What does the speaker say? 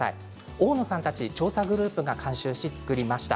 大野さんたちの調査グループが監修して作りました。